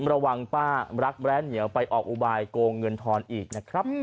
ระวังป้ารักแร้เหนียวไปออกอุบายโกงเงินทอนอีกนะครับ